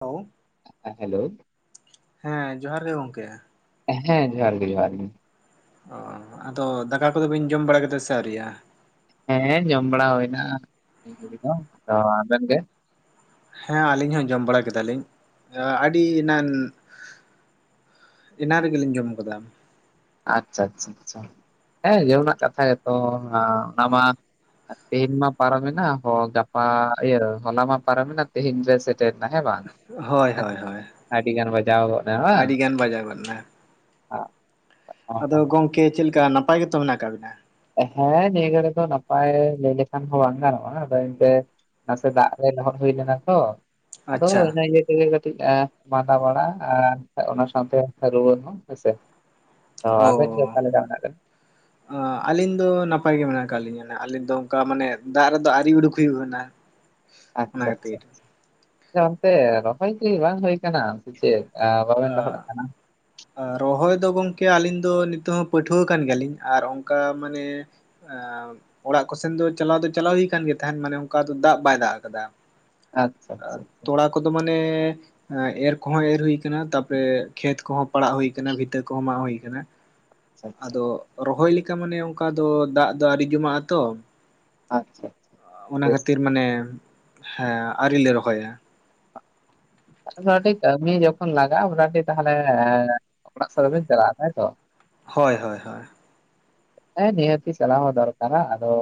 Hello ᱦᱮᱸ hello ᱦᱮᱸᱻ ᱡᱚᱦᱟᱨ ᱜᱮ ᱜᱚᱝᱠᱮ?. ᱦᱮᱸ ᱡᱚᱦᱟᱨ ᱜᱮ ᱡᱚᱦᱟᱨ ᱜᱮ᱾ ᱚ ᱟᱫᱚ ᱫᱟᱠᱟ ᱠᱚᱫᱚ ᱵᱤᱹᱧ ᱡᱚᱢ ᱵᱟᱲᱟ ᱠᱮᱫᱟ ᱥᱮ ᱟᱹᱣᱨᱤᱭᱼᱟ?. ᱦᱮᱸ ᱦᱮᱸ ᱡᱚᱢ ᱵᱟᱲᱟ ᱦᱩᱭᱱᱟ ᱛᱚ ᱟᱵᱮᱱ ᱜᱮ?. ᱦᱮᱸ ᱟᱹᱞᱤᱧ ᱦᱚᱸ ᱡᱚᱢ ᱵᱟᱲᱟ ᱠᱮᱫᱟᱞᱤᱧ ᱟᱹᱰᱤ ᱮᱱᱟᱱ ᱮᱱᱟᱱ ᱨᱮᱜᱮᱞᱤᱧ ᱡᱚᱢ ᱟᱠᱟᱫᱟ᱾ ᱟᱪᱪᱷᱟ ᱟᱪᱪᱷᱟ ᱦᱮᱸ ᱡᱟᱹᱨᱱᱟᱜ ᱠᱟᱛᱷᱟ ᱜᱮᱛᱚ ᱚᱱᱟ ᱢᱟ ᱛᱮᱦᱮᱧ ᱢᱟ ᱯᱟᱨᱚᱢᱮᱱᱟ ᱦᱚ ᱜᱟᱯᱟ ᱤᱭᱚᱹ ᱦᱚᱞᱟ ᱢᱟ ᱯᱟᱨᱚᱢᱮᱱᱟ ᱛᱮᱦᱤᱧ ᱡᱮᱹᱥᱮ ᱮᱫ ᱛᱟᱸᱦᱮ ᱵᱟᱝ ᱦᱳᱭ ᱦᱳᱭ ᱟᱹᱰᱤᱜᱟᱱ ᱵᱟᱡᱟᱣ ᱜᱚᱫ ᱱᱟ ᱵᱟᱝ ᱠᱮᱱ ᱵᱟᱡᱟᱭ ᱜᱚᱜ ᱮᱱᱟ᱾ ᱟᱫᱚ ᱜᱚᱝᱠᱮ ᱪᱮᱫ ᱞᱮᱠᱟ ᱱᱟᱯᱟᱭ ᱜᱮᱛᱚ ᱢᱮᱱᱟᱜ ᱟᱠᱟᱫ ᱵᱤᱱᱟ᱾ ᱦᱮᱸ ᱱᱤᱭᱟᱹ ᱜᱷᱟᱹᱲᱤᱡ ᱫᱚ ᱱᱟᱯᱟᱭ ᱞᱟᱹᱭ ᱞᱮᱠᱷᱟᱱ ᱦᱚᱸ ᱵᱟᱝ ᱜᱟᱱᱚᱜᱼᱟ ᱟᱫᱚ ᱮᱱᱛᱮ ᱱᱟᱥᱮ ᱫᱟᱜ ᱨᱮ ᱞᱚᱦᱚᱛ ᱦᱩᱭ ᱞᱮᱱᱟ ᱛᱚ ᱟᱫᱚ ᱟᱪᱪᱷᱟ ᱤᱱᱟᱹ ᱤᱭᱟᱹ ᱛᱮᱜᱮ ᱠᱟᱹᱴ ᱮ ᱢᱟᱫᱟ ᱵᱟᱲᱟ ᱟᱨ ᱚᱱᱟ ᱥᱟᱶᱛᱮ ᱨᱩᱣᱟ ᱦᱚᱸ ᱦᱮᱸᱥᱮ ᱚ ᱟᱹᱵᱤᱱ ᱜᱮ ᱚᱠᱟ ᱞᱮᱠᱟ ᱢᱮᱱᱟᱜ ᱵᱤᱱ [inaudible] ᱟᱹᱞᱤᱧ ᱫᱚ ᱱᱟᱯᱟᱭ ᱜᱮ ᱢᱮᱱᱟᱜ ᱟᱠᱟᱫ ᱞᱤᱧᱟ ᱟᱹᱞᱤᱧ ᱫᱚ ᱚᱱᱠᱟ ᱢᱟᱱᱮ ᱫᱟᱜ ᱨᱮᱫᱚ ᱟᱣᱨᱤ ᱩᱰᱩᱠ ᱦᱩᱭᱩᱜ ᱟᱱᱟ [inaudible] ᱟᱪᱪᱷᱟ ᱟᱪᱪᱷᱟ ᱚᱱᱛᱮ ᱨᱚᱦᱚᱭ ᱠᱤ ᱵᱟᱝ ᱦᱩᱭ ᱠᱟᱱᱟ ᱪᱮᱹᱫ ᱵᱟᱵᱤᱱ ᱞᱚᱹᱦᱚᱫ ᱠᱟᱱᱟ᱾ ᱨᱚᱦᱚᱭ ᱫᱚ ᱜᱚᱝᱠᱮ ᱟᱹᱞᱤᱧ ᱫᱚ ᱱᱤᱛᱚᱜ ᱦᱚᱸ ᱯᱚᱹᱴᱷᱩᱣᱟᱹ ᱠᱟᱱ ᱜᱮᱭᱟ ᱞᱤᱧ ᱟᱨ ᱚᱱᱠᱟ ᱢᱟᱱᱮ ᱚᱲᱟᱜ ᱠᱚᱥᱱ ᱫᱚ ᱪᱟᱞᱟᱣ ᱫᱚ ᱪᱟᱞᱟᱣ ᱦᱩᱭ ᱟᱠᱟᱱ ᱜᱮ ᱛᱟᱦᱮᱸᱱ ᱢᱟᱱᱮ ᱚᱱᱠᱟ ᱫᱟᱜ ᱵᱟᱭ ᱫᱟᱜ ᱟᱠᱟᱫᱟ ᱟᱪᱪᱷᱟ ᱟᱪᱪᱷᱟ ᱛᱚᱲᱟ ᱠᱚᱫᱚ ᱢᱟᱱᱮ ᱮᱨ ᱠᱚᱦᱚᱸ ᱮᱨ ᱦᱩᱭ ᱟᱠᱟᱱᱟ᱾ ᱛᱟᱯᱚᱨᱮ ᱠᱷᱮᱛ ᱠᱚᱦᱚᱸ ᱯᱟᱲᱟᱜ ᱦᱩᱭ ᱟᱠᱟᱱᱟ ᱵᱷᱤᱛᱟᱹ ᱠᱚᱦᱚᱸ ᱢᱟᱜ ᱦᱩᱭ ᱟᱠᱟᱱᱟ ᱟᱪᱪᱷᱟ ᱟᱪᱪᱷᱟ ᱟᱫᱚ ᱨᱚᱦᱚᱭ ᱞᱮᱠᱟ ᱢᱟᱱᱮ ᱚᱱᱠᱟ ᱫᱚ ᱫᱟᱜ ᱫᱚ ᱟᱨᱤ ᱡᱚᱢᱟᱜ ᱟᱛᱚ ᱟᱪᱪᱷᱟ ᱚᱱᱟ ᱵᱮᱥ᱾ ᱠᱷᱟᱹᱛᱤᱨ ᱢᱟᱱᱮ ᱦᱮᱸᱻ ᱟᱹᱩᱨᱤ ᱞᱮ ᱨᱚᱦᱚᱭᱟ᱾ [unintelligible] ᱠᱟᱹᱢᱤ ᱡᱚᱠᱷᱚᱱ ᱞᱟᱜᱟ-ᱟ [unintelligible] ᱛᱟᱦᱚᱞᱮ ᱚᱲᱟᱜ ᱥᱮᱫ ᱵᱟᱵᱤᱱ ᱪᱟᱞᱟᱜᱼᱟ ᱛᱟᱭᱛᱚ ᱦᱳᱭ ᱦᱳᱭ ᱦᱳᱭ ᱦᱮᱸ ᱱᱤᱭᱟᱛᱤ ᱪᱟᱞᱟᱣ ᱦᱚᱸ ᱫᱚᱨᱠᱟᱨᱟ ᱟᱫᱚ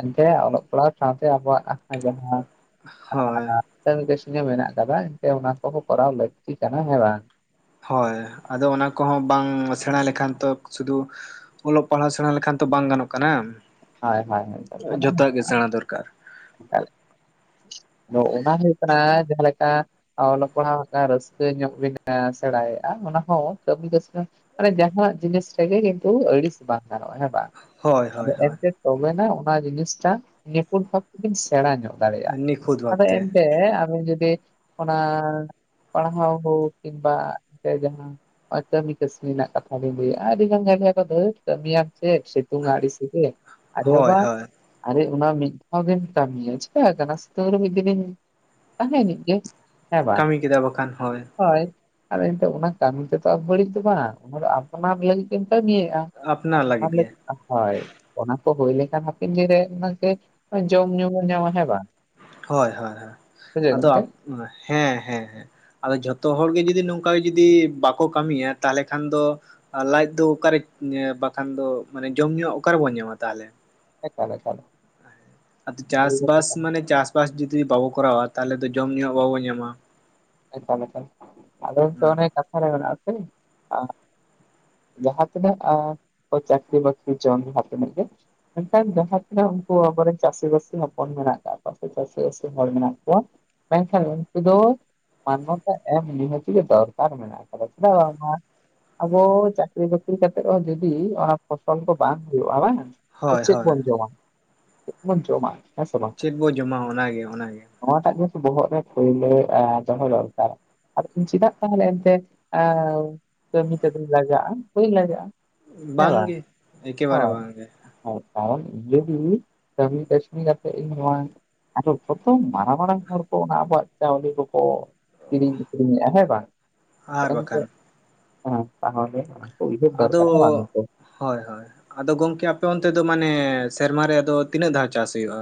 ᱮᱱᱛᱮ ᱚᱞᱚᱜ ᱯᱟᱲᱦᱟᱣ ᱥᱟᱶᱛᱮ ᱟᱵᱚᱣᱟᱜ ᱟᱹᱡᱚᱢ ᱦᱚ ᱦᱳᱭ [inaudible] ᱢᱮᱱᱟᱜ ᱠᱟᱫᱟ ᱮᱱᱛᱮ ᱚᱱᱟ ᱠᱚᱦᱚᱸ ᱠᱚᱨᱟᱣ ᱞᱟᱹᱠᱛᱤ ᱠᱟᱱᱟ ᱦᱮᱸ ᱵᱟᱝ ᱦᱳᱭ ᱟᱫᱚ ᱚᱱᱟ ᱠᱚᱦᱚᱸ ᱵᱟᱝ ᱥᱮᱬᱟ ᱞᱮᱠᱷᱟᱱ ᱛᱚ ᱥᱩᱫᱷᱩ ᱚᱞᱚᱜ ᱯᱟᱲᱦᱟᱜ ᱥᱮᱬᱟ ᱞᱮᱠᱷᱟᱱ ᱛᱚ ᱵᱟᱝ ᱜᱟᱱᱚᱜ ᱠᱟᱱᱟ ᱦᱳᱭ ᱦᱳᱭ ᱦᱳᱭ᱾ ᱠᱟᱛᱷᱟ ᱠᱟᱱᱟ᱾ ᱡᱚᱛᱚᱣᱟᱜ ᱜᱮ ᱥᱮᱬᱟ ᱫᱚᱨᱠᱟᱨ ᱟᱫᱚ ᱚᱱᱟ ᱦᱩᱭᱩᱜ ᱠᱟᱱᱟ ᱡᱟᱦᱟᱸ ᱞᱮᱠᱟ ᱚᱞᱚᱜ ᱯᱟᱲᱦᱟᱣ ᱨᱟᱹᱥᱠᱟᱹ ᱧᱚᱜ ᱵᱤᱱ ᱥᱮᱬᱟᱭᱮᱫᱼᱟ ᱚᱱᱟᱦᱚᱸ ᱠᱟᱹᱢᱤ [inaudible] ᱟᱨᱮ ᱡᱟᱦᱟᱸ ᱱᱟᱜ ᱡᱤᱱᱤᱥ ᱨᱮᱜᱮ ᱠᱤᱱᱛᱩ ᱟᱹᱲᱤᱥ ᱵᱟᱝ ᱜᱟᱱᱚᱜᱼᱟ ᱦᱮᱸ ᱵᱟᱝ ᱦᱳᱭ ᱦᱳᱭ ᱟᱫᱚ ᱦᱳᱭ ᱮᱱᱛᱮᱱ ᱛᱚᱵᱮᱱᱟ ᱚᱱᱟ ᱡᱤᱱᱤᱥᱴᱟᱜ ᱱᱤᱯᱷᱩᱴ ᱵᱷᱟᱵ ᱛᱮᱵᱤᱱ ᱥᱮᱬᱟ ᱧᱚᱜ ᱫᱟᱲᱮᱭᱟᱜᱼᱟ ᱱᱤ ᱠᱷᱩᱫ ᱟᱫᱚ ᱮᱱᱛᱮ ᱟᱵᱤᱱ ᱡᱩᱫᱤ ᱚᱱᱟ ᱯᱟᱲᱦᱟᱣ ᱦᱳ ᱠᱤᱢᱵᱟ ᱛᱮ ᱡᱟᱦᱟᱸ ᱱᱚᱜ ᱠᱟᱹᱢᱤ ᱠᱟᱹᱥᱱᱤ ᱨᱮᱱᱟᱜ ᱠᱟᱛᱷᱟ ᱵᱤᱱ ᱞᱟᱭ-ᱮᱫᱼᱟ ᱟᱹᱰᱤ ᱜᱟᱱ ᱞᱟᱭ ᱟᱠᱚ ᱫᱷᱮᱸᱴ ᱠᱟᱹᱢᱤᱭᱟᱢ ᱪᱮᱫ ᱥᱤᱛᱩᱝ ᱟᱲᱤᱥᱜᱮ ᱟᱨᱮ ᱦᱳᱭ ᱵᱟᱵᱟ ᱦᱳᱭ ᱟᱨᱮ ᱚᱱᱟ ᱢᱤᱫ ᱫᱷᱟᱣ ᱜᱮᱢ ᱠᱟᱹᱢᱤᱭᱟ ᱪᱤᱠᱟᱹ ᱟᱠᱟᱱᱟ ᱛᱟᱣᱨᱮᱦᱚ ᱢᱤᱫ ᱫᱤᱱ ᱛᱟᱦᱮᱱᱤᱡ ᱜᱮ ᱦᱮᱸ ᱵᱟᱝ ᱠᱟᱹᱢᱤ ᱠᱮᱫᱟ ᱵᱟᱠᱷᱟᱱ ᱦᱳᱭ ᱟᱨ ᱮᱱᱛᱮ ᱚᱱᱟ ᱠᱟᱹᱢᱤ ᱛᱮᱫᱚ ᱵᱟᱹᱲᱤᱡ ᱫᱚ ᱵᱟᱝ ᱚᱱᱟ ᱫᱚ ᱟᱯᱱᱟᱨ ᱱᱤᱣᱹᱜᱤᱢ ᱠᱟᱹᱢᱤᱭᱮᱫᱼᱟ ᱟᱯᱱᱟᱨ ᱞᱟᱹᱜᱤᱫ ᱜᱮ [unintelligible] ᱦᱳᱭ ᱚᱱᱟ ᱠᱚ ᱦᱩᱭ ᱞᱮᱠᱷᱟᱱ ᱦᱟᱯᱮᱱ ᱫᱤᱱᱨᱮ ᱡᱚᱢ ᱧᱩ ᱧᱟᱢᱟ ᱦᱮᱸ ᱵᱟᱝ ᱦᱳᱭ ᱦᱳᱭ ᱦᱳᱭ ᱵᱩᱡᱷᱟᱹᱣ ᱜᱚᱢᱠᱮ ᱟᱫᱚ ᱦᱮᱸ ᱦᱮᱸ ᱦᱮᱸ ᱟᱫᱚ ᱡᱚᱛᱚ ᱦᱚᱲᱜᱮ ᱡᱩᱫᱤ ᱱᱚᱝᱠᱟ ᱡᱩᱫᱤ ᱵᱟᱠᱚ ᱠᱟᱹᱢᱤᱭᱟ ᱛᱟᱦᱚᱞᱮ ᱠᱷᱟᱱ ᱫᱚ ᱟᱨ ᱞᱟᱡᱽ ᱫᱚ ᱚᱠᱟᱨᱮ ᱵᱟᱠᱷᱟᱱ ᱫᱚ ᱢᱟᱱᱮ ᱡᱚᱢ ᱧᱩ ᱚᱠᱟᱨᱮᱵᱚᱱ ᱧᱟᱢᱟ ᱛᱟᱦᱚᱞᱮ ᱮᱠᱟᱞ ᱮᱠᱟᱞ ᱟᱫᱚ ᱥᱟᱹᱨᱤ ᱠᱟᱛᱷᱟ ᱪᱟᱥᱵᱟᱥ ᱢᱟᱱᱮ ᱪᱟᱥᱵᱟᱥ ᱡᱩᱫᱤ ᱵᱟᱵᱚ ᱠᱚᱨᱟᱣ-ᱟ ᱛᱟᱦᱚᱞᱮ ᱫᱚ ᱡᱚᱢ ᱧᱩ ᱵᱟᱵᱚ ᱧᱟᱢᱟ ᱾ ᱮᱠᱫᱚᱢ ᱮᱠᱫᱚᱢ ᱛᱟᱦᱚᱞᱮ ᱛᱚ ᱚᱱᱮ ᱠᱟᱛᱷᱟ ᱨᱮ ᱢᱮᱱᱟᱜ ᱟᱥᱮ ᱡᱟᱦᱟᱸ ᱛᱤᱱᱟᱹᱜ-ᱟ ᱪᱟᱠᱨᱤ ᱵᱟᱹᱠᱨᱤ ᱪᱚᱸᱣᱟᱱ ᱡᱟᱦᱟᱸ ᱛᱤᱱᱟᱹᱜ ᱜᱮ ᱢᱤᱫᱴᱟᱱ ᱡᱟᱦᱟᱸ ᱛᱤᱱᱟᱹᱜ ᱩᱱᱠᱩ ᱟᱵᱚᱨᱮᱱ ᱪᱟᱹᱥᱤᱵᱟᱹᱥᱤ ᱦᱚᱯᱚᱱ ᱢᱮᱱᱟᱜ ᱠᱟᱜ ᱠᱚᱣᱟ ᱥᱮ ᱪᱟᱹᱥᱤᱵᱟᱹᱥᱤ ᱦᱚᱲ ᱢᱮᱱᱟᱜ ᱠᱚᱣᱟ ᱢᱮᱱ ᱠᱷᱟᱱ ᱩᱱᱠᱩ ᱫᱚ ᱢᱟᱱᱱᱚᱛᱟ ᱮᱢ ᱱᱤᱦᱟᱹᱛᱤ ᱜᱮ ᱫᱚᱨᱠᱟᱨ ᱢᱮᱱᱟᱜ ᱟᱠᱟᱫᱟ ᱪᱮᱫᱟᱜ ᱵᱟᱝᱢᱟ ᱟᱵᱚ ᱪᱟᱹᱠᱨᱤ ᱵᱟᱹᱠᱨᱤ ᱠᱟᱛᱮᱜ ᱨᱮᱦᱚᱸ ᱡᱩᱫᱤ ᱚᱱᱟ ᱯᱷᱚᱥᱚᱞ ᱠᱚ ᱵᱟᱝ ᱦᱩᱭᱩᱜᱼᱟ ᱵᱟᱝ ᱦᱳᱭ ᱪᱮᱫ ᱦᱳᱭ ᱵᱚᱱ ᱡᱚᱢᱟ ᱪᱮᱫ ᱵᱚᱱ ᱡᱚᱢᱟ ᱪᱮᱫ ᱵᱚ ᱡᱚᱢᱟ ᱚᱱᱟᱜᱮ ᱚᱱᱟᱜᱮ ᱱᱚᱣᱟ ᱴᱟᱜ ᱜᱮ ᱵᱚᱦᱚᱜ ᱨᱮ ᱯᱟ. ᱭᱞᱟ. ᱫᱚᱦᱚ ᱫᱚᱨᱠᱟᱨᱟ ᱟᱫᱚ ᱪᱮᱫᱟᱜ ᱛᱟᱦᱚᱞᱮ ᱮᱱᱛᱮ ᱠᱟᱹᱢᱤ ᱛᱮᱫᱚᱧ ᱞᱟᱡᱟᱜᱼᱟ ᱵᱟᱹᱧ ᱞᱟᱡᱟᱜᱼᱟ ᱦᱮᱸ ᱵᱟᱝ ᱵᱟᱝᱜᱮ ᱮᱠᱮᱵᱟᱨᱮ ᱦᱚᱭ ᱵᱟᱝᱜᱮ ᱦᱳᱭ ᱠᱟᱨᱚᱱ ᱡᱩᱫᱤ ᱠᱟ. ᱢᱤ ᱠᱟᱥᱱᱤ ᱠᱟᱛᱮ ᱤᱧ ᱱᱚᱣᱟ ᱟᱫ ᱡᱷᱚᱛᱚᱢ ᱢᱟᱨᱟᱝ ᱢᱟᱨᱟᱝ ᱦᱚᱲ ᱠᱚ ᱚᱱᱟ ᱟᱵᱚ- ᱟᱜ ᱪᱟᱣᱞᱮ ᱠᱚ ᱠᱚ ᱠᱤᱨᱤᱧ ᱟᱹᱠᱷᱨᱤᱧ ᱮᱫᱼᱟ ᱦᱮᱸ ᱵᱟᱝ [inaudible] ᱟᱨ ᱮᱱᱛᱮ ᱵᱟᱠᱷᱟᱱ ᱦᱮᱸ ᱛᱟᱦᱚᱞᱮ ᱫᱚᱨᱠᱟᱨ ᱦᱮᱸ ᱵᱟᱝ ᱟᱫᱚ ᱜᱚᱝᱠᱮ ᱦᱳᱭ ᱦᱳᱭ ᱟᱫᱚ ᱜᱚᱢᱠᱮ ᱟᱯᱮ ᱚᱱᱛᱮ ᱫᱚ ᱢᱟᱱᱮ ᱥᱮᱨᱢᱟ ᱨᱮᱭ ᱫᱚ ᱛᱤᱱᱟᱹᱜ ᱫᱷᱟᱣ ᱪᱟᱥ ᱦᱩᱭᱩᱜᱼᱟ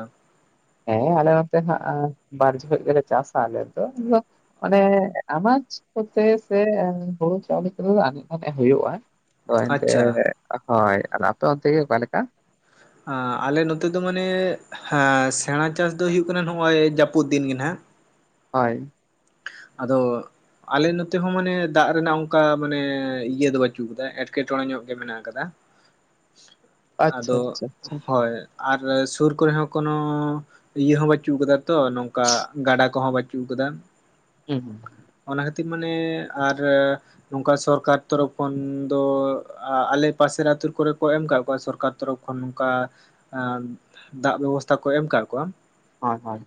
ᱦᱮᱸ ᱟᱞᱮ ᱱᱚᱛᱮ ᱱᱟᱜ ᱵᱟᱨ ᱡᱚᱠᱷᱚᱡ ᱜᱮᱞᱮ ᱪᱟᱥᱟ ᱟᱞᱮ ᱫᱚ ᱢᱟᱱᱮ ᱟᱱᱟᱡ ᱠᱚᱛᱮ ᱥᱮ ᱦᱩᱲᱩ ᱪᱟᱣᱞᱮ ᱠᱚᱨᱮ ᱫᱚ [inaudible] ᱦᱩᱭᱩᱜᱼᱟ ᱦᱳᱭ ᱮᱱᱛᱮ ᱟᱪᱪᱷᱟ ᱦᱳᱭ ᱟᱫᱚ ᱟᱯᱮ ᱚᱱᱛᱮ ᱜᱮ ᱚᱠᱟᱞᱮᱠᱟ ᱟᱞᱮ ᱱᱚᱛᱮ ᱫᱚ ᱢᱟᱱᱮ ᱥᱮᱬᱟ ᱪᱟᱥ ᱫᱚ ᱦᱩᱭᱩᱜ ᱠᱟᱱᱟ ᱱᱚᱜᱼᱚᱭ ᱡᱟᱹᱯᱩᱫ ᱫᱤᱱ ᱜᱮ ᱱᱟᱜ ᱦᱚᱭ ᱟᱫᱚ ᱟᱞᱮ ᱱᱚᱛᱮ ᱦᱚᱸ ᱢᱟᱱᱮ ᱫᱟᱜ ᱨᱮᱱᱟᱜ ᱚᱱᱠᱟ ᱢᱟᱱᱮ ᱤᱭᱟᱹ ᱫᱚ ᱵᱟᱹᱪᱩᱜ ᱟᱠᱟᱫᱟ ᱮᱸᱴᱠᱮᱴᱚᱬᱮ ᱧᱚᱜ ᱜᱮ ᱢᱮᱱᱟᱜ ᱟᱠᱟᱫᱟ ᱟᱪᱪᱷᱟ ᱟᱫᱚ ᱟᱪᱪᱷᱟ ᱟᱪᱪᱷᱟ ᱦᱚᱭ ᱟᱨ ᱥᱩᱨ ᱠᱚᱨᱮ ᱦᱚᱸ ᱠᱳᱱᱳ ᱤᱭᱟᱹ ᱦᱚᱸ ᱵᱟᱱᱩᱜ ᱟᱠᱟᱫᱟ ᱛᱚ ᱱᱚᱝᱠᱟ ᱜᱟᱰᱟ ᱠᱚᱦᱚᱸ ᱵᱟᱱᱩᱜ ᱟᱠᱟᱫᱟ ᱦᱩᱸ ᱚᱱᱟ ᱠᱷᱟᱹᱛᱤᱨ ᱢᱟᱱᱮ ᱟᱨ ᱱᱚᱝᱠᱟ ᱥᱚᱨᱠᱟᱨ ᱛᱚᱨᱚᱯᱷ ᱠᱷᱚᱱ ᱫᱚ ᱟᱞᱮ ᱯᱟᱥᱮᱨ ᱟ. ᱛᱩ ᱠᱚᱨᱮ ᱠᱚ ᱮᱢ ᱠᱟᱜ ᱠᱚᱣᱟ ᱥᱚᱨᱠᱟᱨ ᱛᱚᱨᱚᱯᱷ ᱱᱚᱜ ᱚᱭ ᱱᱚᱝᱠᱟ ᱫᱟᱜ ᱵᱮᱵᱚᱥᱛᱷᱟ ᱠᱚ ᱮᱢ ᱠᱟᱜ ᱠᱚᱣᱟ ᱦᱚᱭ ᱦᱚᱭ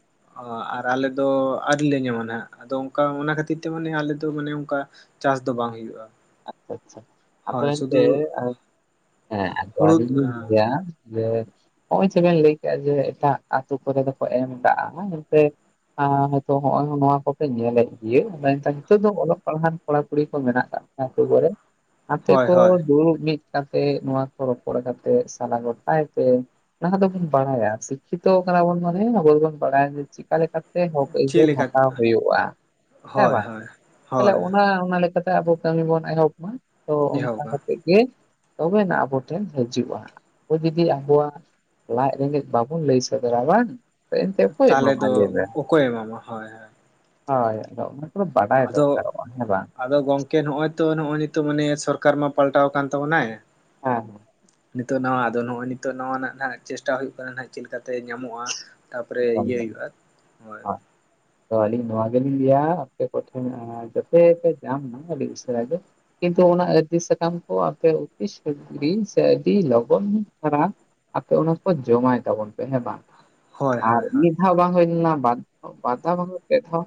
ᱚ ᱟᱨ ᱟᱞᱮ ᱫᱚ ᱟᱹᱣᱨᱤ ᱞᱮ ᱡᱚᱢᱟ ᱱᱟᱦᱟᱜ ᱟᱫᱚ ᱚᱱᱠᱟ ᱚᱱᱟ ᱠᱷᱟᱛᱤᱨ ᱛᱮ ᱢᱟᱱᱮ ᱟᱞᱮ ᱫᱚ ᱢᱟᱱᱮ ᱚᱱᱠᱟ ᱪᱟᱥ ᱫᱚ ᱵᱟᱝ ᱦᱩᱭᱩᱜᱼᱟ ᱟᱪᱪᱷᱟ ᱟᱪᱪᱷᱟ ᱟᱫᱚ ᱦᱳᱭ ᱮᱱᱛᱮ ᱥᱩᱫᱷᱩ ᱦᱮᱸ ᱟᱫᱚ ᱦᱩᱲᱩ ᱟᱹᱞᱤᱧ ᱞᱤᱧ ᱞᱟᱹᱭᱟ ᱡᱮ ᱱᱚᱜᱼᱚᱭ ᱪᱮᱫ ᱵᱮᱱ ᱞᱟᱹᱭ ᱠᱮᱫᱼᱟ ᱡᱮ ᱮᱴᱟᱜ ᱟᱛᱳ ᱠᱚᱨᱮ ᱫᱚᱠᱚ ᱮᱢ ᱠᱟᱜ [unintelligible] ᱦᱚᱛᱚ ᱱᱚᱜᱚᱭ ᱱᱚᱣᱟ ᱠᱚᱯᱮ ᱧᱮᱞᱮᱫ ᱜᱮ [unintelligible] ᱫᱚ ᱚᱞᱚᱜ ᱯᱟᱲᱦᱟᱜ ᱠᱚᱲᱟ ᱠᱩᱲᱤ ᱠᱚ ᱢᱮᱱᱟᱜ ᱠᱟᱜ ᱟ. ᱛᱩ ᱠᱚᱨᱮ ᱜᱟᱛᱮ ᱦᱳᱭ ᱠᱚ ᱦᱳᱭ ᱫᱩᱲᱩᱵ ᱢᱤᱫ ᱠᱟᱛᱮ [inaudible] ᱠᱟᱛᱮ ᱱᱚᱣᱟ ᱠᱚ ᱨᱚᱯᱚᱲ ᱠᱟᱛᱮ ᱥᱟᱞᱟ ᱜᱚᱴᱟᱭ ᱯᱮ ᱚᱱᱟ ᱫᱚᱵᱚᱱ ᱵᱟᱲᱟᱭᱟ ᱥᱤᱠᱠᱷᱤᱛᱚ ᱠᱟᱱᱟ ᱵᱚᱱ ᱢᱟᱱᱮ ᱟᱵᱚ ᱫᱚᱵᱚᱱ ᱵᱟᱲᱟᱭᱟ ᱡᱮ ᱪᱤᱠᱟ ᱞᱮᱠᱟ ᱛᱮ ᱛᱮ ᱦᱚᱠ ᱪᱮᱫ ᱟᱹᱭᱫᱟᱹᱨ ᱞᱮᱠᱟ ᱦᱟᱛᱟᱣ ᱦᱩᱭᱩᱜᱼᱟ ᱦᱮᱸ ᱦᱳᱭ ᱵᱟᱝ ᱦᱳᱭ ᱛᱟᱦᱚᱞᱮ ᱦᱳᱭ ᱚᱱᱟ ᱚᱱᱟ ᱞᱮᱠᱟᱛᱮ ᱟᱵᱚ ᱠᱟᱹᱢᱤ ᱵᱚᱱ ᱮᱦᱚᱵ ᱢᱟ ᱛᱚ ᱚᱱᱠᱟ ᱮᱦᱚᱵᱟ ᱠᱟᱛᱮ ᱜᱮ ᱛᱚᱵᱮᱱᱟᱭ ᱟᱵᱚ ᱴᱷᱮᱱ ᱦᱤᱡᱩᱜᱼᱟ ᱟᱵᱚ ᱡᱩᱫᱤ ᱟᱵᱚᱣᱟᱜ ᱞᱟᱡ ᱨᱮᱸᱜᱮᱡ ᱵᱟᱵᱚᱱ ᱞᱟᱹᱭ ᱥᱚᱫᱚᱨᱟ ᱵᱟᱝ ᱛᱚ ᱮᱱᱛᱮ ᱚᱠᱚᱭ ᱛᱟᱦᱚᱞᱮ ᱫᱚ ᱚᱠᱚᱭ ᱮᱢᱟᱢᱟ ᱦᱚᱭ ᱦᱚᱭ ᱦᱚᱭ ᱟᱫᱚ ᱚᱱᱟ ᱠᱚᱫᱚ ᱵᱟᱰᱟᱭ ᱫᱚᱨᱠᱟᱨᱚᱜᱼᱟ ᱦᱮᱸ ᱵᱟᱝ᱾ ᱟᱫᱚ ᱜᱚᱝᱠᱮ ᱱᱚᱜ-ᱚᱭ ᱛᱚ ᱱᱚᱜ-ᱚᱭ ᱱᱤᱛᱚᱜ ᱢᱟᱱᱮ ᱥᱚᱨᱠᱟᱨ ᱢᱟ ᱯᱟᱞᱴᱟᱣ ᱠᱟᱱ ᱛᱟᱵᱚᱱᱟᱭ᱾ ᱦᱮᱸ ᱱᱤᱛᱚᱜ ᱱᱟᱣᱟ ᱟᱫᱚ ᱱᱚᱜᱼᱚᱭ ᱱᱤᱛᱚᱜ ᱱᱟᱣᱟ ᱱᱟᱦᱟᱜ ᱪᱮᱥᱴᱟ ᱦᱩᱭᱩᱜ ᱠᱟᱱᱟ ᱱᱟᱦᱟᱜ᱾ ᱪᱮᱫ ᱞᱮᱠᱟ ᱛᱮ ᱧᱟᱢᱚᱜ-ᱟ ᱛᱟᱨ ᱯᱚᱨᱮ ᱮᱠᱫᱚᱢ ᱤᱭᱟᱹ ᱦᱩᱭᱩᱜ-ᱟ᱾ ᱦᱚᱭ ᱟᱹᱞᱤᱧ ᱱᱚᱣᱟ ᱜᱮᱞᱤᱧ ᱞᱟᱹᱭᱟ ᱟᱯᱮ ᱠᱚᱴᱷᱮᱱ᱾ ᱡᱟᱛᱮ ᱯᱮ ᱡᱟᱢ ᱢᱟ ᱟᱹᱰᱤ ᱩᱥᱟᱹᱨᱟᱭ ᱜᱮ ᱠᱤᱱᱛᱩ ᱚᱱᱟ ᱟᱹᱨᱡᱤ ᱥᱟᱠᱟᱢ ᱠᱚ ᱟᱯᱮ ᱚᱯᱤᱥ ᱥᱮ ᱟᱹᱰᱤ ᱞᱚᱜᱚᱱ ᱫᱷᱟᱨᱟ ᱟᱯᱮ ᱚᱱᱟ ᱠᱚ ᱡᱚᱢᱟᱭ ᱛᱟᱵᱚᱱ ᱯᱮ ᱦᱮᱸ ᱵᱟᱝ᱾ ᱦᱳᱭ ᱟᱨ ᱦᱳᱭ ᱦᱳᱭ ᱢᱤᱫ ᱫᱷᱟᱣ ᱵᱟᱝ ᱦᱩᱭ ᱞᱮᱱᱟ ᱵᱟᱨ ᱫᱷᱟᱣ ᱵᱟᱨ ᱫᱷᱟᱣ ᱵᱟᱝ ᱦᱩᱭᱩᱜ ᱯᱮ ᱫᱷᱟᱣ᱾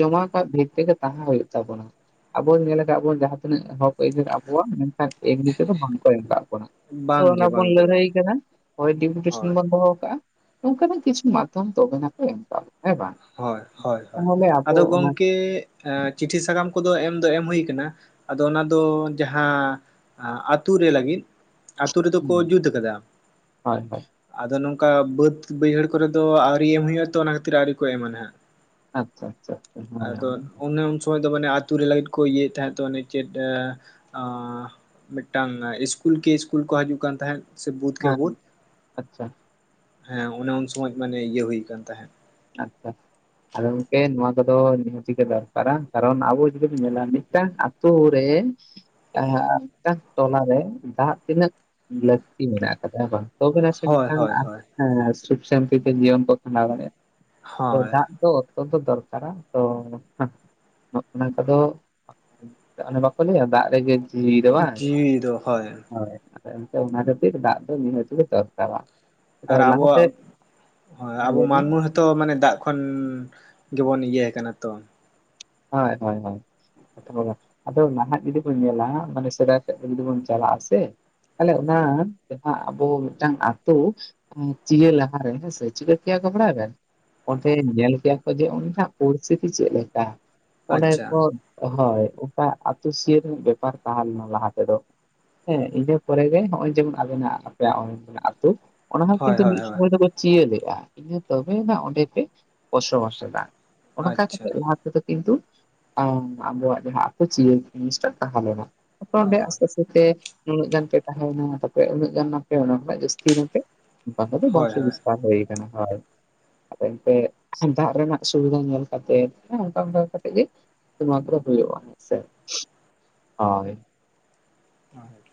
ᱡᱚᱢᱟ ᱠᱟᱜ ᱵᱷᱮᱛ ᱨᱮᱜᱮ ᱛᱟᱦᱮᱸ ᱦᱩᱭᱩᱜ ᱛᱟᱵᱚᱱᱟ᱾ ᱟᱵᱚ ᱧᱮᱞ ᱟᱠᱟᱫ ᱵᱚᱱ ᱡᱟᱦᱟᱸ ᱛᱤᱱᱟᱹᱜ ᱦᱚᱠ ᱮᱡᱤᱱ ᱟᱵᱚᱣᱟᱜ, ᱢᱮᱱᱠᱷᱟᱱ ᱮᱜᱱᱤ ᱛᱮ ᱫᱚ ᱵᱟᱝ ᱠᱚ ᱮᱢ ᱠᱟᱫ ᱵᱚᱱᱟ᱾ ᱦᱳᱭ ᱚᱱᱟ ᱵᱟᱝᱜᱮ ᱵᱚᱱ ᱵᱟᱝᱜᱮ ᱵᱟᱝ ᱞᱟᱹᱲᱦᱟᱹᱭ ᱠᱟᱫᱟᱦᱳᱭ ᱰᱤᱯᱩᱴᱮᱥᱚᱱ ᱦᱳᱭ ᱵᱚᱱ ᱫᱚᱦᱚ ᱟᱠᱟᱜᱼᱟ᱾ ᱚᱱᱠᱟᱱᱟᱜ ᱠᱤᱪᱷᱩ ᱢᱟᱫᱽᱫᱷᱚᱢ ᱛᱚᱵᱮᱱᱟᱠᱚ ᱮᱢ ᱠᱟᱜ ᱵᱚᱱᱟ ᱦᱮᱸᱵᱟᱝ ᱦᱚᱭ ᱦᱚᱭ ᱦᱚᱭ ᱟᱫᱚ ᱜᱚᱢᱠᱮ ᱦᱮᱸᱪᱤᱴᱷᱤ ᱥᱟᱠᱟᱢ ᱠᱚᱫᱚ ᱮᱢ ᱫᱚ ᱮᱢ ᱦᱩᱭ ᱠᱟᱱᱟ ᱟᱫᱚ ᱚᱱᱟ ᱫᱚ ᱡᱟᱦᱟᱸ ᱟᱸᱻ ᱟᱛᱩ ᱨᱮ ᱞᱟᱹᱜᱤᱫ, ᱟᱹᱛᱩ ᱨᱮᱫᱚ ᱠᱚ ᱦᱩᱸ ᱡᱩᱛ ᱟᱠᱟᱫᱟ᱾ ᱦᱳᱭ ᱦᱳᱭ ᱟᱫᱚ ᱱᱚᱝᱠᱟ ᱵᱟᱹᱫᱽ ᱵᱟᱹᱭᱦᱟᱹᱲ ᱠᱚᱨᱮ ᱫᱚ ᱟᱹᱣᱨᱤ ᱮᱢ ᱦᱩᱭᱩᱜ-ᱟ ᱛᱚ, ᱚᱱᱟ ᱠᱷᱟᱹᱛᱤᱨ ᱟᱹᱣᱨᱤ ᱠᱚ ᱮᱢᱟ ᱱᱟᱦᱟᱜ᱾ ᱟᱪᱪᱷᱟ ᱟᱪᱪᱷᱟ ᱢᱚᱡ ᱢᱮᱱᱟᱜ ᱵᱮᱱᱟᱛᱚ᱾ ᱦᱚᱭ ᱛᱚ ᱢᱟᱱᱮ ᱟᱹᱛᱩ ᱨᱮ ᱞᱟᱹᱭᱤᱴ ᱠᱚ ᱤᱭᱟᱹ ᱭᱮᱫ ᱛᱟᱦᱮᱸᱫ ᱛᱚ ᱚᱱᱮ ᱪᱮᱫ ᱮᱸᱻ ᱚᱸᱻ ᱢᱤᱫᱴᱟᱝ ᱤᱥᱠᱩᱞ ᱠᱤ ᱤᱥᱠᱩᱞ ᱠᱚ ᱦᱤᱡᱩᱜ ᱠᱟᱱ ᱛᱟᱦᱮᱸᱫ᱾ ᱥᱮ ᱵᱩᱫ ᱠᱮ ᱦᱮᱸ ᱵᱩᱫ, ᱟᱪᱪᱷᱟ ᱦᱮᱸ ᱚᱱᱮ ᱩᱱ ᱥᱚᱢᱚᱡ ᱢᱟᱱᱮ ᱤᱭᱟᱹ ᱦᱩᱭ ᱠᱟᱱ ᱛᱟᱦᱮᱸᱫ᱾ ᱟᱪᱪᱷᱟ ᱟᱫᱚ ᱜᱚᱢᱠᱮ ᱱᱚᱣᱟ ᱠᱚᱫᱚ ᱱᱤᱦᱟᱹᱛ ᱜᱮ ᱫᱚᱨᱠᱟᱨᱟ ᱠᱟᱨᱚᱱ ᱟᱵᱚ ᱡᱩᱫᱤ ᱵᱚᱱ ᱧᱮᱞᱟ ᱢᱤᱫᱴᱮᱱ ᱟᱛ ᱟᱛᱳ ᱨᱮ ᱛᱟᱦᱟᱸ ᱟᱨ ᱢᱤᱫᱴᱮᱝ ᱴᱚᱞᱟ ᱨᱮ ᱫᱟᱜ ᱛᱤᱱᱟᱹᱜ ᱞᱟᱹᱠᱛᱤ ᱢᱮᱱᱟᱜ ᱟᱠᱟᱫᱟ ᱦᱮᱵᱟᱝ ᱛᱚᱵᱮ ᱱᱟᱥᱮ ᱦᱳᱭ ᱢᱤᱫᱴᱟᱝ ᱦᱳᱭ ᱮᱸ ᱦᱳᱭ ᱥᱩᱠ ᱥᱟᱱᱛᱤ ᱛᱮ ᱡᱤᱭᱚᱱ ᱠᱚ ᱠᱷᱟᱸᱰᱟᱣ ᱫᱟᱲᱮᱜ-ᱟ᱾ ᱛᱚ ᱦᱳᱭ ᱫᱟᱜ ᱛᱚ ᱚᱛᱚᱱᱛᱚ ᱫᱚᱨᱠᱟᱨᱟ ᱛᱚ ᱦᱟ, ᱱᱚ ᱱᱚᱛᱮ ᱫᱚ ᱚᱱᱮ ᱵᱟᱠᱚ ᱞᱟᱹᱭᱟ ᱫᱟᱜ ᱨᱮᱜᱮ ᱡᱤᱣᱤ ᱫᱚ ᱵᱟᱝ ᱡᱤᱣᱤ ᱫᱚ ᱦᱳᱭ ᱚᱱᱟᱛᱮ ᱮᱱᱛᱮ ᱚᱱᱟ ᱠᱷᱟᱹᱛᱤᱨ ᱫᱟᱜ ᱫᱚ ᱱᱤᱦᱟᱹᱛ ᱜᱮ ᱫᱚᱨᱠᱟᱨᱟ᱾ ᱟᱫᱚ ᱟᱨ ᱞᱟᱦᱟᱛᱮ ᱟᱵᱚᱣᱟᱜ, ᱦᱚᱸᱭ ᱦᱮᱸ ᱟᱵᱚ ᱞᱟᱹᱭ ᱵᱮᱱ ᱢᱟᱱᱢᱚ ᱦᱚᱛᱚ ᱛᱚ ᱢᱟᱱᱮ ᱫᱟᱜ ᱠᱷᱚᱱ, ᱜᱮᱵᱚᱱ ᱤᱭᱟᱹ ᱟᱠᱟᱱᱟ ᱛᱚ᱾ ᱦᱚᱭ ᱦᱚᱭ ᱦᱚᱭ᱾ ᱦᱮᱸᱛᱚ ᱵᱚᱭᱦᱟ ᱟᱫᱚ ᱱᱟᱦᱟᱜ ᱡᱩᱫᱤ ᱵᱚᱱ ᱧᱮᱞᱟ ᱦᱟᱜ ᱢᱟᱱᱮ ᱥᱮᱫᱟᱭ ᱥᱮᱫ ᱡᱩᱫᱤ ᱵᱩᱱ ᱪᱟᱞᱟᱜ-ᱟ ᱥᱮ᱾ ᱛᱟᱦᱚᱞᱮ ᱚᱱᱟ ᱡᱟᱦᱟᱸ ᱟᱵᱩ ᱢᱤᱫᱴᱟᱝ ᱟᱛᱩ᱾ ᱦᱩᱸ ᱪᱤᱭᱟᱹ ᱞᱟᱦᱟᱨᱮ ᱦᱩᱭ ᱥᱮ ᱪᱤᱠᱟᱹ ᱠᱮᱭᱟ ᱠᱟ ᱵᱟᱲᱟᱭᱟᱵᱮᱱ᱾ ᱚᱸᱰᱮ ᱧᱮᱞ ᱠᱮᱭᱟ ᱠᱚ ᱡᱮ ᱩᱱᱤᱭᱟᱜ ᱯᱚᱨᱤᱥᱛᱷᱤᱛᱤ ᱪᱮᱫ ᱞᱮᱠᱟ᱾ ᱚᱸᱰᱮ ᱟᱪᱪᱷᱟ ᱠᱚ ᱦᱳᱭ ᱚᱠᱟ ᱟᱹᱛᱩ ᱥᱤᱭᱟᱹ ᱨᱮᱱᱟᱜ ᱵᱮᱯᱟᱨ ᱛᱟᱦᱮᱸ ᱞᱮᱱᱟ ᱞᱟᱦᱟ ᱛᱮᱫᱚ᱾ ᱦᱮᱸ ᱤᱱᱟᱹ ᱯᱚᱨᱮ ᱨᱮ ᱱᱚᱜ-ᱚᱭ ᱡᱮᱢᱚᱱ ᱟᱵᱮᱱᱟᱜ ᱟᱯᱮᱭᱟᱜ [unintelligible] ᱟᱹᱛᱩ᱾ ᱚᱱᱟ ᱦᱚᱸ ᱦᱳᱭ ᱠᱤᱱᱛᱩ ᱦᱳᱭ ᱢᱤᱫ ᱦᱳᱭ ᱥᱩᱢᱟᱹᱭ ᱫᱚ ᱯᱮ ᱪᱤᱭᱟᱹᱞᱮᱜᱼᱟ ᱤᱱᱟᱸ ᱛᱚᱵᱮ ᱱᱟᱜ ᱚᱸᱰᱮ ᱯᱮ ᱵᱚᱥᱚᱵᱟᱥ ᱮᱫᱟ᱾ ᱚᱱᱠᱟ ᱟᱪᱪᱷᱟ ᱠᱟᱛᱮᱜ ᱞᱟᱦᱟ ᱛᱮᱫᱚ ᱠᱤᱱᱛᱩ ᱟᱸ ᱟᱵᱚᱣᱟᱜ ᱡᱟᱦᱟᱸ ᱟᱛ ᱪᱤᱭᱟᱹ ᱡᱤᱱᱤᱥᱴᱟᱜ ᱛᱟᱦᱮᱸ ᱞᱮᱱᱟ᱾ ᱚ ᱚᱱᱰᱮ ᱟᱥᱛᱮ ᱟᱥᱛᱮ ᱛᱮ ᱩᱱᱟᱹᱜ ᱜᱟᱱ ᱯᱮ ᱛᱟᱸᱦᱮᱭᱱᱟ ᱛᱟᱯᱮ ᱩᱱᱟᱹᱜ ᱜᱟᱱᱟ ᱯᱮ ᱚᱱᱟ ᱠᱷᱚᱱᱟᱜ ᱡᱟᱹᱥᱛᱤᱭ ᱱᱟᱯᱮ ᱚᱱᱠᱟ ᱛᱮ ᱫᱚ ᱦᱳᱭ ᱵᱚᱝᱥᱚ ᱦᱳᱭ ᱵᱤᱥᱛᱟᱨ ᱦᱩᱭ᱾ ᱦᱚᱭ ᱟᱫᱚ ᱮᱱᱛᱮᱫ ᱫᱟᱜ ᱨᱮᱱᱟᱜ ᱥᱩᱵᱤᱫᱷᱟ ᱧᱮᱞ ᱠᱟᱛᱮ ᱦᱚᱸᱭ᱾ ᱟᱢ ᱠᱟᱹᱴᱤᱡ ᱤᱡ ᱱᱩᱣᱟ ᱠᱚᱨᱮ ᱯᱩᱨᱟᱹᱜ-ᱟ ᱦᱮᱸᱥᱮ, ᱦᱳᱭ᱾ ᱦᱚᱭ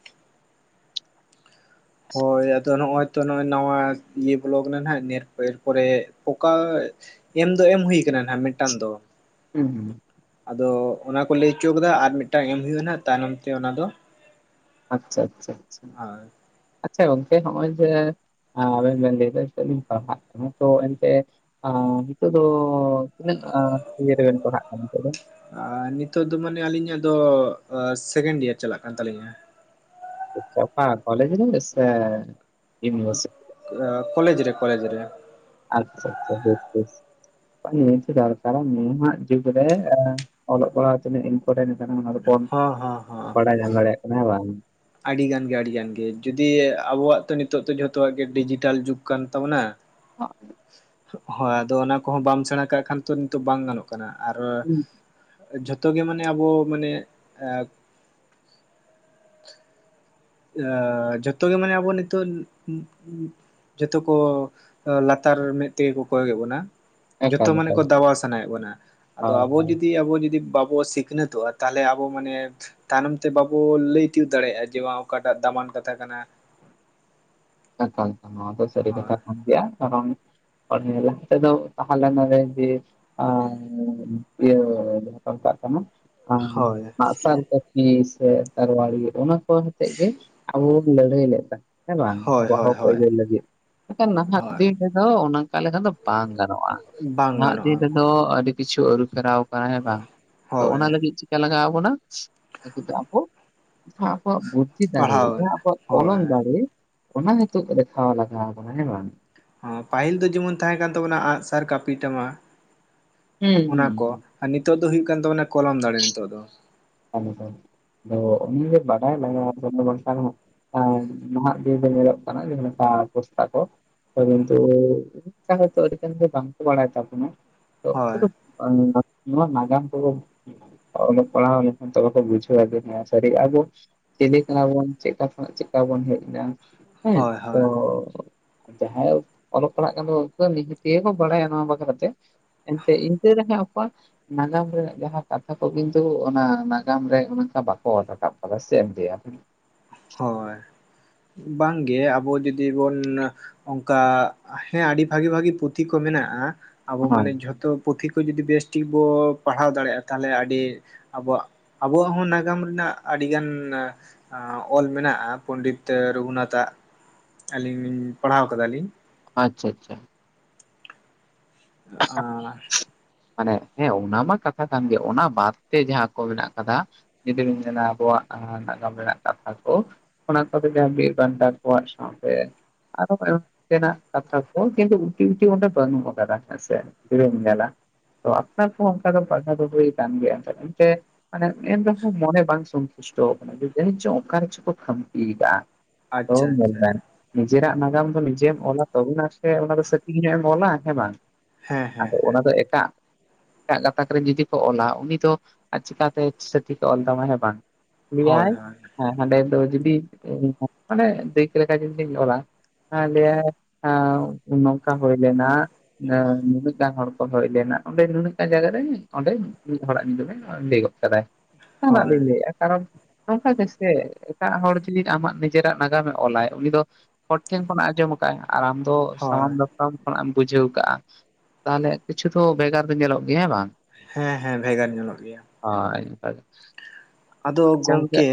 ᱦᱳᱭ ᱟᱫᱚ ᱱᱚᱜ-ᱚᱭ ᱛᱚ ᱱᱚᱜ-ᱚᱭ ᱱᱟᱶᱟ ᱤᱭᱟᱹ ᱵᱚᱞᱚᱣ ᱠᱟᱱᱟ ᱱᱟᱦᱟᱜ ᱱᱤᱭᱮ ᱮᱨ ᱯᱚᱨᱮ ᱚᱠᱟ᱾ ᱮᱢ ᱫᱚ ᱮᱢ ᱦᱩᱭ ᱠᱟᱱᱟ ᱱᱟᱦᱟᱜ ᱢᱤᱫᱴᱟᱝ ᱫᱚ᱾ ᱦᱩᱸᱦᱩᱸ ᱟᱫᱚ ᱚᱱᱟ ᱠᱩ ᱞᱟᱹᱭ ᱩᱪᱩ ᱠᱟᱫᱟ ᱟᱨ ᱢᱤᱫᱴᱟᱝ ᱮᱢ ᱦᱩᱭᱩᱜ ᱟᱱᱟ ᱛᱟᱭᱱᱚᱢ ᱛᱮ ᱚᱱᱟ ᱫᱚ᱾ ᱟᱪᱪᱷᱟ ᱟᱪᱪᱷᱟ ᱟᱪᱪᱷᱟ᱾ ᱟᱪᱷᱟ ᱜᱚᱝᱠᱮ ᱦᱚᱸᱜ-ᱚᱭ ᱡᱮ᱾ ᱟᱨ ᱢᱮᱱ ᱮᱫᱟ ᱱᱤᱛᱚᱜ ᱞᱤᱧ ᱯᱟᱲᱦᱟᱜ ᱠᱟᱱᱟ ᱛᱚ ᱮᱱᱛᱮ ᱚᱸᱻ ᱱᱤᱛᱚᱜ ᱫᱚ ᱛᱤᱱᱟᱹᱜ ᱟᱸ ᱤᱭᱟᱹ ᱨᱮᱵᱤᱱ ᱯᱟᱲᱦᱟᱜ ᱠᱟᱱᱟ ᱱᱤᱛᱚᱜ ᱫᱚ ᱟᱨ ᱱᱤᱛᱚᱜ ᱫᱚ ᱢᱟᱱᱮ ᱟᱹᱞᱤᱧ ᱟᱜ ᱫᱚ ᱥᱮᱠᱮᱱᱰ ᱤᱭᱟᱨ ᱪᱟᱞᱟᱜ ᱠᱟᱱ ᱛᱟᱞᱤᱧᱟ᱾ ᱟᱪᱪᱷᱟ ᱚᱠᱟ ᱠᱚᱞᱮᱡᱽ ᱨᱮᱜᱮ ᱥᱮ ᱤᱭᱩᱱᱤᱵᱷᱟᱨᱥᱤᱴᱤ ᱮᱸ ᱠᱚᱞᱮᱡᱽ ᱨᱮ ᱠᱚᱞᱮᱡᱽ ᱨᱮ ᱟᱪᱪᱷᱟ ᱟᱪᱪᱷᱟ ᱵᱮᱥ ᱵᱮᱥ ᱱᱤᱦᱟᱹᱛ ᱫᱚᱨᱠᱟᱨᱟ ᱱᱟᱦᱟᱜ ᱡᱩᱜᱽ ᱨᱮ ᱟᱻ ᱚᱞᱚᱜ ᱯᱟᱲᱦᱟᱣ ᱛᱤᱱᱟᱹᱜ ᱤᱧᱯᱚᱴᱮᱱ ᱠᱟᱱᱟ ᱚᱱᱟ ᱫᱚ ᱦᱚᱸ ᱦᱚᱸ ᱦᱚᱸ ᱵᱟᱰᱟᱭ ᱧᱟᱢ ᱫᱟᱲᱮᱭᱟᱜ ᱠᱟᱱᱟ ᱦᱮᱸ ᱵᱟᱝ ᱟᱹᱰᱤ ᱜᱟᱱ ᱜᱮ ᱟᱹᱰᱤ ᱜᱟᱱ ᱜᱮ ᱡᱩᱫᱤ ᱟᱵᱚᱣᱟᱜ ᱛᱚ ᱱᱤᱛᱚᱜ ᱫᱚ ᱡᱷᱚᱛᱚᱣᱟᱜ ᱜᱮ ᱰᱤᱡᱤᱴᱟᱞ ᱡᱩᱜᱽ ᱠᱟᱱ ᱛᱟᱵᱚᱱᱟ᱾ ᱦᱚᱸᱜ ᱦᱚᱸᱭ ᱟᱫᱚ ᱚᱱᱟ ᱠᱚᱦᱚᱸ ᱵᱟᱢ ᱥᱮᱬᱟ ᱠᱟᱜ ᱠᱷᱟᱱ ᱛᱚ ᱱᱤᱛᱚᱜ ᱵᱟᱝ ᱜᱟᱱᱚᱜ ᱠᱟᱱᱟ ᱟᱨᱻ ᱡᱷᱚᱛᱚ ᱜᱮ ᱢᱟᱱᱮ ᱟᱵᱚ ᱢᱟᱱᱮ ᱮᱸ ᱮᱸᱻ ᱡᱚᱛᱚᱜ ᱜᱮ ᱢᱟᱱᱮ ᱟᱵᱚ ᱱᱤᱛᱚᱜ [unintelligible] ᱡᱚᱛᱚ ᱠᱚ ᱞᱟᱛᱟᱨ ᱢᱮᱫ ᱛᱮᱜᱮ ᱠᱚ ᱠᱚᱭᱚᱜ ᱮᱫ ᱵᱚᱱᱟ᱾ ᱡᱷᱚᱛᱚ ᱮᱠᱟᱞ ᱢᱟᱱᱮ ᱮᱠᱟᱞ ᱠᱚ ᱦᱳᱭ ᱫᱟᱵᱟᱣ ᱥᱟᱱᱟᱭᱮᱫ ᱵᱚᱱᱟ ᱟᱫᱚ ᱟᱵᱚ ᱦᱳᱭ ᱡᱩᱫᱤ ᱟᱵᱚ ᱡᱩᱫᱤ ᱵᱟᱵᱚ ᱥᱤᱠ ᱥᱤᱠᱷᱱᱟᱹᱛ ᱚᱜᱼᱟ ᱛᱟᱦᱚᱞᱮ ᱟᱵᱚ ᱢᱟᱱᱮ ᱛᱟᱭᱱᱚᱢ ᱛᱮ ᱵᱟᱵᱚ ᱞᱟᱹᱭ ᱛᱤᱭᱳᱜ ᱫᱟᱲᱮᱭᱟᱜᱼᱟ ᱡᱮ ᱵᱟᱝ ᱚᱠᱟ ᱴᱟᱜ ᱫᱟᱢᱟᱱ ᱠᱟᱛᱷᱟ ᱠᱟᱱᱟ᱾ ᱮᱠᱟᱞ ᱛᱮ ᱱᱚᱣᱟ ᱫᱚ ᱥᱟᱹᱨᱤ ᱦᱳᱭ ᱠᱟᱛᱷᱟ ᱠᱟᱱ ᱜᱮᱭᱟ ᱠᱟᱨᱚᱱ ᱢᱟᱱᱮ ᱞᱟᱦᱟ ᱛᱮᱫᱚ ᱛᱟᱸᱦᱮ ᱞᱮᱱᱟ ᱡᱮ ᱟᱨ ᱤᱭᱟᱹ ᱡᱟᱸᱦᱟ ᱠᱚ ᱢᱮᱛᱟᱜ ᱠᱟᱱᱟ ᱦᱳᱭ ᱟᱜᱼᱥᱟᱨ ᱠᱟᱹ [inaudible] ᱥᱮ ᱛᱟᱨᱣᱟᱲᱤ ᱚᱱᱟ ᱠᱚ ᱦᱟᱛᱮᱫ ᱜᱮ ᱟᱵᱚ ᱵᱚ ᱞᱟᱹᱲᱦᱟᱹᱭ ᱞᱮᱫᱟ ᱦᱮᱸ ᱵᱟᱝ᱾ ᱦᱳᱭ ᱟᱵᱚᱣᱟᱜ ᱦᱳᱭ ᱦᱚᱸᱠ ᱦᱳᱭ ᱟᱹᱭᱫᱟᱹᱨ ᱞᱟᱹᱜᱤᱫ ᱮᱠᱷᱟᱱ ᱱᱟᱦᱟᱜ ᱦᱳᱭ ᱫᱤᱱ ᱨᱮᱫᱚ ᱚᱱᱠᱟ ᱞᱮᱠᱟ ᱫᱚ ᱵᱟᱝ ᱜᱟᱱᱚᱜᱼᱟ ᱵᱟᱝ ᱱᱟᱦᱟᱜ ᱫᱤᱱ ᱜᱟᱱᱚᱜᱼᱟ ᱨᱮᱫᱚ ᱟᱹᱰᱤ ᱠᱤᱪᱷᱩ ᱟᱹᱨᱩ ᱯᱷᱮᱨᱟᱣ ᱠᱟᱱᱟ ᱦᱮᱸ ᱵᱟᱝ ᱛᱚ ᱚᱱᱟ ᱦᱳᱭ ᱞᱟᱹᱜᱤᱫ ᱞᱟᱜᱟᱣ ᱵᱚᱱᱟ [inaudible] ᱟᱵᱚ ᱦᱟᱸ ᱟᱵᱚᱣᱟᱜ ᱵᱩᱫᱷᱤ ᱫᱟᱲᱮ ᱯᱟᱲᱦᱟᱣ ᱡᱟᱸᱦᱟ ᱟᱵᱚᱣᱟᱜ ᱦᱳᱭ ᱠᱚᱞᱚᱢ ᱫᱟᱲᱮ ᱚᱱᱟ ᱱᱤᱛᱚᱜ ᱫᱮᱠᱷᱟᱣ ᱞᱟᱜᱟᱣ ᱵᱚᱱᱟ ᱦᱮᱸ ᱵᱟᱝ ᱯᱟᱹᱦᱤᱞ ᱫᱚ ᱡᱮᱢᱚᱱ ᱛᱟᱦᱮᱸ ᱠᱟᱱ ᱛᱟᱵᱚᱱᱟ ᱟᱸᱜᱼᱥᱟᱨ ᱠᱟᱹᱯᱤ ᱴᱟᱢᱟᱠ ᱦᱩᱸ ᱚᱱᱟ ᱦᱩᱸ ᱠᱚ ᱟᱨ ᱱᱤᱛᱚᱜ ᱫᱚ ᱦᱩᱭᱩᱜ ᱠᱟᱱ ᱛᱟᱵᱚᱱᱟ ᱠᱚᱞᱚᱢ ᱫᱟᱲᱮ ᱱᱤᱛᱚᱜ ᱫᱚ [unintelligible] ᱟᱫᱚ ᱱᱤᱭᱳ ᱜᱮ ᱵᱟᱰᱟᱭ ᱞᱟᱜᱟᱣ ᱟᱵᱚᱱᱟ ᱵᱟᱝᱠᱷᱟᱱ ᱦᱟᱸᱜ ᱦᱮᱸ ᱱᱟᱦᱟᱜ ᱫᱤᱭᱟᱹ ᱫᱚ ᱧᱮᱞᱚᱜ ᱠᱟᱱᱟ ᱡᱮᱸ ᱞᱮᱠᱟ ᱯᱚᱥᱛᱟ ᱠᱚ᱾ ᱯᱟᱨᱟᱱᱛᱩ [inaudible] ᱦᱚᱭᱛᱚ ᱟᱹᱰᱤ ᱜᱟᱱ ᱜᱮ ᱵᱟᱝ ᱠᱚ ᱵᱟᱲᱟᱭ ᱛᱟᱵᱚᱱᱟ᱾ ᱦᱳᱭ [unintelligible] ᱱᱚᱣᱟ ᱱᱟᱜᱟᱢ ᱠᱚ ᱚᱞᱚᱜ ᱯᱟᱲᱦᱟᱣ ᱜᱮ ᱛᱚᱵᱮ ᱠᱚ ᱵᱩᱡᱟᱹᱣ ᱟ ᱡᱮ ᱦᱮᱸ ᱥᱟᱹᱨᱤ ᱟᱫᱚ ᱪᱮᱞᱮ ᱠᱟᱱᱟ ᱵᱚᱱ ᱪᱮᱫᱠᱟ ᱠᱷᱚᱱᱟᱜ ᱪᱮᱫᱠᱟ ᱵᱚᱱ ᱦᱮᱡ ᱱᱟ ᱦᱮᱸ ᱦᱳᱭ ᱛᱚ᱾ ᱦᱳᱭ ᱡᱟᱦᱟᱸᱭᱮ ᱚᱞᱚᱜ ᱯᱟᱲᱦᱟᱜ ᱠᱟᱱ ᱫᱚ ᱩᱱᱠᱩ ᱱᱤᱦᱟᱹᱛᱤᱭᱟᱹ ᱠᱚ ᱵᱟᱲᱟᱭᱟ ᱱᱚᱣᱟ ᱵᱟᱠᱷᱨᱟ ᱛᱮ ᱮᱱᱛᱮ ᱤᱱᱠᱟᱹ ᱨᱮᱦᱚᱸ ᱚᱠᱟ ᱱᱟᱜᱟᱢ ᱨᱮᱱᱟᱜ ᱡᱟᱦᱟᱸ ᱠᱟᱛᱷᱟ ᱠᱚ ᱠᱤᱱᱛᱩ ᱚᱱᱟ ᱱᱟᱜᱟᱢ ᱨᱮ ᱚᱱᱠᱟ ᱵᱟᱠᱚ ᱚᱞ ᱨᱟᱠᱟᱵ ᱠᱟᱫᱟ᱾ ᱥᱮ ᱪᱮᱫ ᱮᱢ ᱞᱟᱹᱭ-ᱟ? ᱦᱚᱭ᱾ ᱵᱟᱝ ᱜᱮ ᱟᱵᱚ ᱡᱩᱫᱤ ᱵᱚᱱ ᱚᱱᱠᱟ ᱦᱮᱸ ᱟᱹᱰᱤ ᱵᱷᱟᱜᱤ ᱵᱷᱟᱜᱤ ᱯᱩᱛᱷᱤ ᱠᱚ ᱢᱮᱱᱟᱜᱼᱟ ᱟᱵᱚ ᱦᱳᱭ ᱢᱟᱱᱮ ᱡᱷᱚᱛᱚ ᱯᱩᱛᱷᱤ ᱠᱚ ᱡᱩᱫᱤ ᱵᱮᱥ ᱴᱷᱤᱠ ᱵᱚ ᱯᱟᱲᱦᱟᱣ ᱫᱟᱲᱮᱭᱟᱜᱼᱟ ᱛᱟᱦᱚᱞᱮ ᱟᱹᱰᱤ ᱟᱵᱚᱣᱟᱜ ᱟᱵᱚᱣᱟᱜ ᱦᱚᱸ ᱱᱟᱜᱟᱢ ᱨᱮᱱᱟᱜ ᱟᱹᱰᱤᱜᱟᱱ ᱟᱸ ᱚᱞ ᱢᱮᱱᱟᱜᱼᱟ ᱯᱚᱸᱱᱰᱤᱛ ᱨᱚᱜᱷᱩᱱᱟᱛᱷᱼᱟᱜ ᱟᱹᱞᱤᱧ ᱞᱤᱧ ᱯᱟᱲᱦᱟᱣ ᱠᱟᱫᱟᱞᱤᱧ ᱟᱪᱪᱷᱟ ᱟᱪᱪᱷᱟ ᱢᱟᱱᱮ ᱦᱮᱸ ᱚᱱᱟ ᱢᱟ ᱠᱟᱛᱷᱟ ᱠᱟᱱ ᱜᱮ ᱚᱱᱟ ᱵᱟᱫ ᱛᱮ ᱡᱟᱦᱟᱸ ᱠᱚ ᱢᱮᱱᱟᱜ ᱠᱟᱫᱟ᱾ ᱡᱩᱫᱤ ᱵᱤᱱ ᱢᱮᱱᱟ ᱟᱵᱚᱣᱟᱜ ᱦᱟᱸ ᱱᱟᱜᱟᱢ ᱨᱮᱱᱟᱜ ᱠᱟᱛᱷᱟ ᱠᱚ᱾ ᱚᱱᱟ ᱠᱚᱫᱚ ᱡᱟᱸᱦᱟ ᱵᱤᱨ ᱵᱟᱱᱴᱟ ᱠᱚᱣᱟᱜ ᱥᱟᱶᱛᱮ ᱟᱨᱚ ᱮᱢ ᱛᱮᱱᱟᱜ ᱠᱟᱛᱷᱟ ᱠᱚ ᱠᱤᱱᱛᱩ ᱩᱴᱤ ᱩᱴᱤ ᱚᱸᱰᱮ ᱵᱟᱹᱱᱩᱜ ᱟᱠᱟᱫᱟ᱾ ᱦᱮᱸ ᱥᱮ ᱛᱤᱨᱮᱢ ᱧᱮᱞᱟ ᱛᱚ ᱟᱯᱱᱟᱨ ᱠᱚᱦᱚᱸ ᱚᱱᱠᱟ ᱫᱚ ᱯᱟᱲᱦᱟᱣ ᱫᱚ ᱦᱩᱭ ᱠᱟᱱ ᱜᱮᱭᱟ ᱮᱱᱛᱮ᱾ ᱢᱟᱱᱮ ᱮᱱ ᱨᱮᱦᱚᱸ ᱢᱚᱱᱮ ᱵᱟᱝ ᱥᱚᱱᱛᱩᱥᱴᱚ ᱠᱟᱱᱟ ᱡᱟᱹᱱᱤᱡ ᱪᱚᱝ ᱚᱠᱟ ᱨᱮᱪᱚ ᱠᱚ ᱠᱷᱟᱢᱛᱤᱭ ᱠᱟᱜ-ᱟ᱾ ᱟᱫᱚ ᱟᱪᱪᱷᱟ ᱟᱪᱪᱷᱟ ᱧᱮᱞᱢᱮ ᱱᱤᱡᱮᱨᱟᱜ ᱱᱟᱜᱟᱢ ᱫᱚ ᱱᱤᱡᱮᱢ ᱚᱞᱟ ᱛᱚᱵᱩᱱᱟ ᱥᱮ ᱚᱱᱟ ᱫᱚ ᱥᱚᱴᱷᱤᱠ ᱧᱚᱜ ᱮᱢ ᱚᱞᱟ ᱦᱮᱸ ᱵᱟᱝ ᱦᱮᱸ ᱦᱮᱸ ᱟᱫᱚ ᱚᱱᱟ ᱦᱮᱸ ᱫᱚ ᱮᱴᱟᱜ ᱮᱴᱟᱜ ᱠᱟᱛᱷᱟ ᱠᱚᱨᱮ ᱡᱩᱫᱤ ᱠᱚ ᱚᱞᱟ ᱩᱱᱤ ᱫᱚ ᱪᱤᱠᱟᱛᱮ ᱥᱚᱴᱷᱤᱠ ᱮ ᱚᱞ ᱛᱟᱢᱟ᱾ ᱦᱮᱸ ᱵᱟᱝ? ᱦᱳᱭ ᱞᱮᱭᱟᱭ ᱦᱳᱭ ᱦᱟᱸᱰᱮ ᱫᱚ ᱡᱩᱫᱤ ᱢᱟᱱᱮ ᱫᱤᱠ ᱞᱮᱠᱟ ᱡᱩᱫᱤᱧ ᱚᱞᱟ ᱦᱟᱸ ᱞᱮᱭᱟᱭ ᱦᱮᱸ ᱱᱚᱝᱠᱟ ᱦᱩᱭ ᱞᱮᱱᱟ᱾ ᱮᱸ ᱱᱩᱱᱟᱹᱜ ᱜᱟᱱ ᱦᱚᱲ ᱠᱚ ᱦᱮᱡ ᱞᱮᱱᱟ ᱚᱸᱰᱮ ᱱᱩᱱᱟᱹᱜᱟᱱ ᱡᱟᱭᱜᱟ ᱨᱮ ᱚᱸᱰᱮ ᱢᱤᱫ ᱦᱚᱲᱟᱜ ᱧᱩᱛᱩᱢᱼᱮ ᱞᱟᱹᱭ ᱜᱚᱫ ᱠᱟᱫᱟᱭ ᱡᱟᱦᱟᱱᱟᱜ ᱦᱳᱭ ᱞᱤᱧ ᱞᱟᱹᱭᱼᱟ ᱠᱟᱨᱚᱱ ᱱᱚᱱᱠᱟ ᱜᱮᱥᱮ ᱮᱴᱟᱜ ᱦᱚᱲ ᱡᱩᱫᱤ ᱟᱢᱟᱜ ᱱᱤᱡᱮᱨᱟᱜ ᱱᱟᱜᱟᱢᱼᱮ ᱚᱞᱟᱭ ᱩᱱᱤ ᱫᱚᱼᱼ ᱦᱚᱲ ᱴᱷᱮᱱ ᱠᱷᱚᱱᱟᱜᱼᱮ ᱟᱸᱡᱚᱢ ᱠᱟᱫᱼᱟᱭ ᱟᱨ ᱟᱢ ᱫᱚ ᱦᱳᱭ ᱥᱟᱱᱟᱢ ᱫᱟᱛᱛᱟᱢ ᱠᱷᱚᱱᱟᱜ ᱮᱢ ᱵᱩᱡᱷᱟᱹᱣ ᱠᱟᱸ ᱟᱸ ᱛᱟᱦᱚᱞᱮ ᱠᱤᱪᱷᱩ ᱫᱚ ᱵᱷᱮᱜᱟᱨ ᱫᱚ ᱧᱮᱞᱚᱜ ᱜᱮᱭᱟ᱾ ᱦᱮᱸ ᱵᱟᱝ? ᱦᱮᱸ ᱦᱮᱸ ᱵᱷᱮᱜᱟᱨ ᱧᱮᱞᱚᱜ ᱜᱮᱭᱟ᱾ ᱦᱚᱸ ᱟᱹᱱᱠᱟᱜᱮ᱾ ᱟᱫᱚ ᱜᱚᱢᱠᱮ